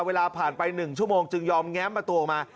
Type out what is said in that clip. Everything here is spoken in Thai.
เวลาผ่านไป๑ชั่วโมงจึงยอมแง้มประตูออกมา